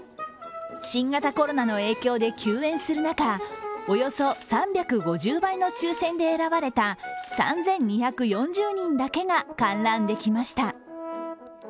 新型コロナの影響で休園する中、およそ３５０倍の抽選で選ばれた３２４０人だけが観覧できました。